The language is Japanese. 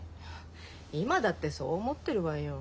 今だってそう思ってるわよ。